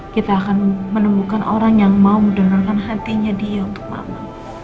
kita akan menemukan orang yang mau mendengarkan hatinya dia untuk mama